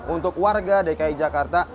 untuk warga dki jakarta